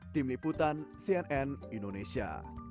tim liputan cnn indonesia